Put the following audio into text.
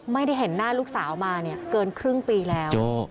ไม่ได้เห็นหน้าลูกสาวมาเนี่ยเกินครึ่งปีแล้ว